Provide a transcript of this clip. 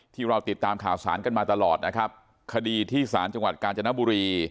ที่เราติดตามข่าวสารกันมาตลอดนะครับคดีที่ศาลจังหวัดกาญจนบุรี